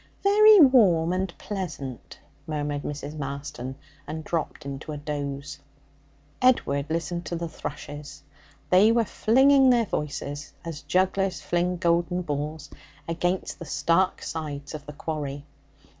'Very warm and pleasant,' murmured Mrs. Marston, and dropped into a doze. Edward listened to the thrushes; they were flinging their voices as jugglers fling golden balls against the stark sides of the quarry.